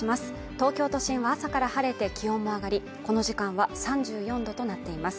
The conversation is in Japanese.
東京都心は朝から晴れて気温も上がりこの時間は３４度となっています